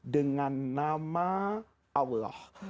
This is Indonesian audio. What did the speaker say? dengan nama allah